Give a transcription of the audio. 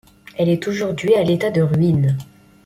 Elle est aujourd'hui à l'état de ruines.